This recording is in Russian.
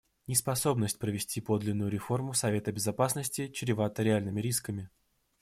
Неспособность провести подлинную реформу Совета Безопасности чревата реальными рисками.